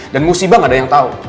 dan musibah gak ada yang tahu